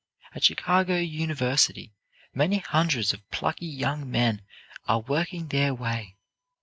At Chicago University many hundreds of plucky young men are working their way.